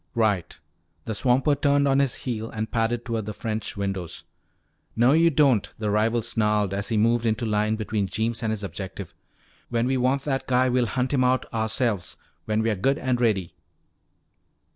"Right." The swamper turned on his heel and padded toward the French windows. "No, you don't!" the rival snarled as he moved into line between Jeems and his objective. "When we want that guy, we'll hunt him out ourselves. When we're good and ready!"